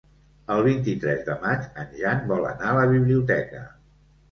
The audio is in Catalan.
El vint-i-tres de maig en Jan vol anar a la biblioteca.